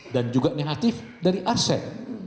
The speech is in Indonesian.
dan juga negatif dari arsen